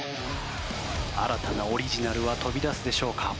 新たなオリジナルは飛び出すでしょうか。